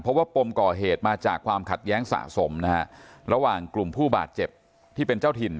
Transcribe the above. เพราะว่าปมก่อเหตุมาจากความขัดแย้งสะสมนะฮะระหว่างกลุ่มผู้บาดเจ็บที่เป็นเจ้าถิ่น